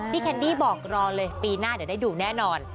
แคนดี้บอกรอเลยปีหน้าเดี๋ยวได้ดูแน่นอน